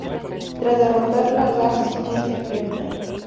Tras derrotarla, Lars y Jin se enfrentan.